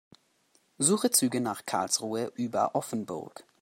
Suche Züge nach Karlsruhe über Offenburg.